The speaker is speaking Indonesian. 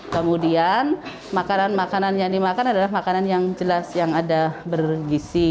kemudian makanan makanan yang dimakan adalah makanan yang jelas yang ada bergisi